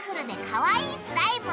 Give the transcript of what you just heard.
かわいいスライム？